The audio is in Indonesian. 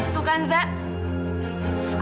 tuh kan zah